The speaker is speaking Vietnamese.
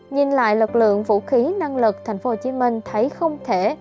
nhìn lại lực lượng vũ khí năng lực thành phố hồ chí minh thấy không thể